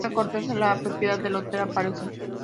Madame Cortese, la propietaria del hotel, aparece.